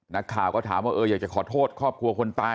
นักข่าวก็ถามว่าเอออยากจะขอโทษครอบครัวคนตาย